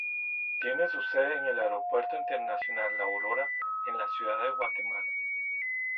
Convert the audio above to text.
Tiene su sede en el Aeropuerto Internacional La Aurora en la Ciudad de Guatemala.